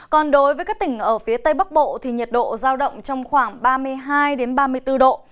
còn đối với các tỉnh ở phía tây bắc bộ thì nhiệt độ giao động trong khoảng ba mươi hai ba mươi bốn độ